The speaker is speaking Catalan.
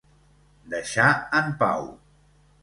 Deixar en pau.